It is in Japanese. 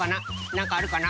なんかあるかな？